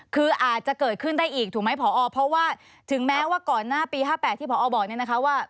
คืออาจจะเกิดขึ้นได้อีกถูกไหมพอเพราะว่าถึงแม้ว่าก่อนหน้าปี๕๘ที่พอบอกเนี่ยนะคะว่า